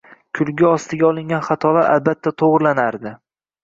Kulgi ostiga olingan xatolar albatta to`g`irlanardi